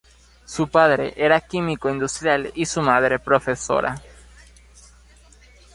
Su padre era químico industrial; y su madre, profesora.